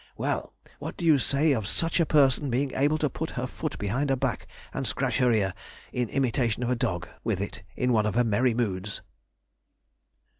Well! what do you say of such a person being able to put her foot behind her back and scratch her ear, in imitation of a dog, with it, in one of her merry moods?"